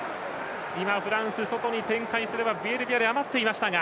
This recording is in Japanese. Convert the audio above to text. フランス、外に展開すればビエルビアレが余っていましたが。